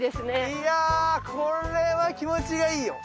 いやこれは気持ちがいいよ。